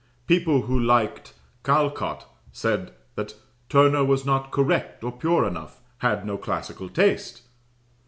People who liked Callcott said that "Turner was not correct or pure enough had no classical taste."